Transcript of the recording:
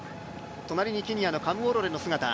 隣にケニアのカムウォロレの姿。